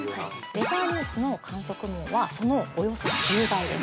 ◆ウェザーニューズの観測網は、そのおよそ１０倍です。